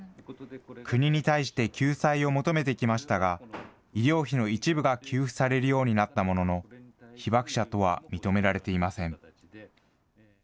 国に対して救済を求めてきましたが、医療費の一部が給付されるようになったものの、被爆者とは認められていません。